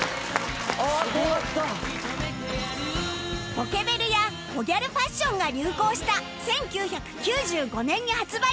ポケベルやコギャルファッションが流行した１９９５年に発売